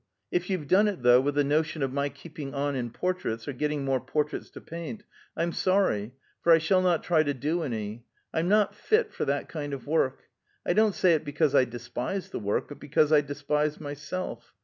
If you've done it, though, with the notion of my keeping on in portraits, or getting more portraits to paint, I'm sorry, for I shall not try to do any. I'm not fit for that kind of work. I don't say it because I despise the work, but because I despise myself.